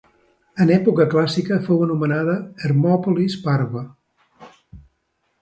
En època clàssica fou anomenada Hermòpolis Parva.